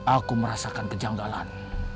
aku merasakan kejanggalan